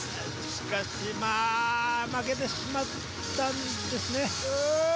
しかしまぁ負けてしまったんですね。